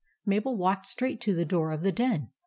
Mabel walked straight to the door of the den.